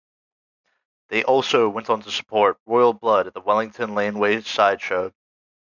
They also went on to support Royal Blood at the Wellington Laneway sideshow.